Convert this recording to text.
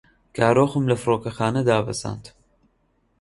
کارۆخم لە فڕۆکەخانە دابەزاند.